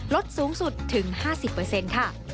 ลดสูงสุดถึง๕๐ค่ะ